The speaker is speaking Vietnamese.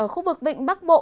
khu vực vịnh bắc bộ